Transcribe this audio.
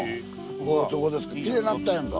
そこですけどきれいなったやんか。